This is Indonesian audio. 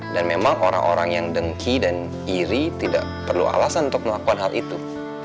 dan memang orang orang yang dengki dan iri tidak perlu alasan untuk melakukan hal itu